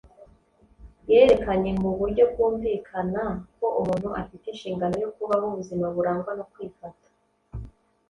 Yerekanye mu buryo bwumvikana ko umuntu afite inshingano yo kubaho ubuzima burangwa no kwifata